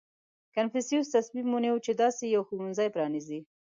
• کنفوسیوس تصمیم ونیو، چې داسې یو ښوونځی پرانېزي.